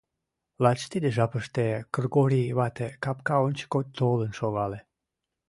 Лач тиде жапыште Кргори вате капка ончыко толын шогале.